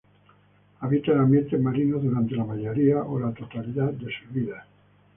Habitan ambientes marinos durante la mayoría o la totalidad de sus vidas.